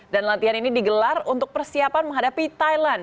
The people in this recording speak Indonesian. dan latihan ini digelar untuk persiapan menghadapi thailand